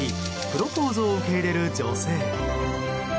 プロポーズを受け入れる女性。